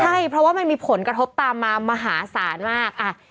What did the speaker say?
ใช่เพราะว่ามันมีผลกระทบตามมามหาศาลมาก